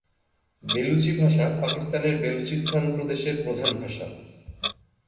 Bellucci ভাষা পাকিস্তানের বেলুচিস্তান প্রদেশের প্রধান ভাষা।